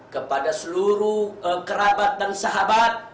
kepada seluruh kerabat dan sahabat